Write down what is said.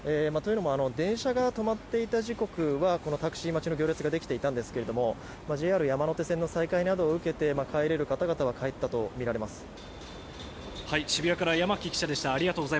というのも電車が止まっていた時刻はタクシー待ちの行列ができていたんですがＪＲ山手線の再開などを受けて帰れる方々は帰ったとみられます。